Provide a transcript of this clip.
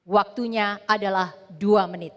waktunya adalah dua menit